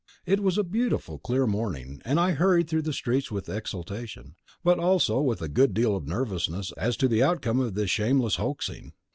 It was a beautiful, clear morning, and I hurried through the streets with exultation, but also with a good deal of nervousness as to the outcome of this shameless hoaxing.